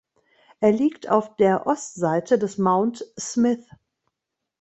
Er liegt auf der Ostseite des Mount Smith.